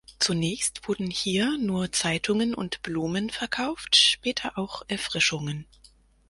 Zunächst wurden hier nur Zeitungen und Blumen verkauft, später auch Erfrischungen.